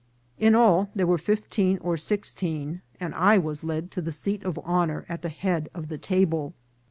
In all there were fifteen or sixteen, and I was led to the seat of honour at the head of the table.